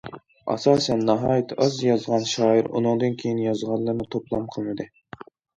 ئاساسەن ناھايىتى ئاز يازغان شائىر ئۇنىڭدىن كېيىن يازغانلىرىنى توپلام قىلمىدى.